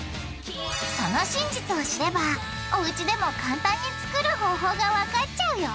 その真実を知ればおうちでも簡単に作る方法がわかっちゃうよ！